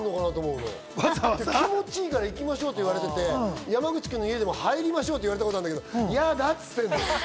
気持ちいいから行きましょうって言われてて、山口君の家でも入りましょうって言われたけど嫌だって言ってんの。